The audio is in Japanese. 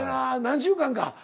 何週間か。